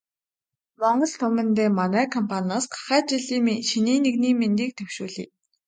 Монгол түмэндээ манай компаниас гахай жилийн шинийн нэгний мэндийг дэвшүүлье.